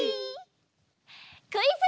クイズ！